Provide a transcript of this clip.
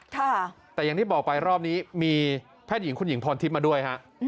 แต่อย่างที่บอกไปรอบนี้มีแพทย์หญิงคุณหญิงพรทิพย์มาด้วยฮะ